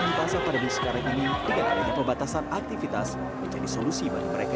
dipasang pada bisnis sekarang ini dengan adanya pembatasan aktivitas menjadi solusi bagi mereka